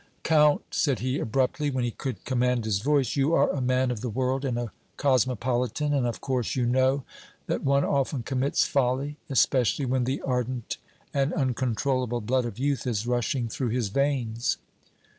"Count," said he, abruptly, when he could command his voice, "you are a man of the world and a cosmopolitan, and, of course, you know that one often commits folly, especially when the ardent and uncontrollable blood of youth is rushing through his veins.